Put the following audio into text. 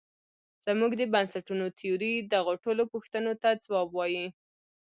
زموږ د بنسټونو تیوري دغو ټولو پوښتونو ته ځواب وايي.